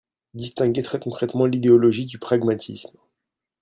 distinguer très concrètement l’idéologie du pragmatisme.